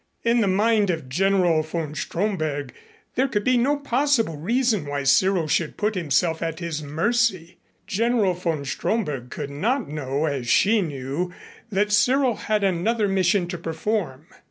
In the mind of General von Stromberg there could be no possible reason why Cyril should put himself at his mercy. General von Stromberg could not know as she knew that Cyril had another mission to perform.